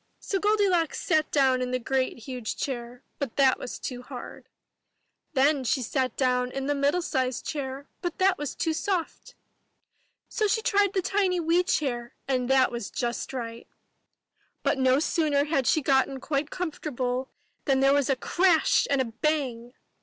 So Goldilocks sat down in the great huge chair, but that was too hard. Then she sat down in the middle sized chair, but that was too soft. So she tried the tiny wee chair, and that was just right. But no sooner had she got quite comfortable than there was a crash and a bang